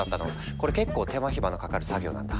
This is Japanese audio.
これ結構手間暇のかかる作業なんだ。